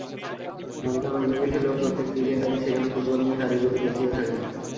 হালকা মেজাজে খেললেও প্রত্যেক ক্রিকেটারই সেখানে ফুটবল নিয়ে কারিকুরি দেখিয়ে থাকেন।